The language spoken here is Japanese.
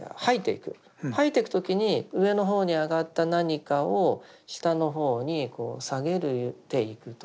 吐いていく時に上の方に上がった何かを下の方に下げていくと。